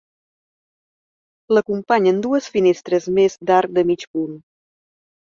L'acompanyen dues finestres més d'arc de mig punt.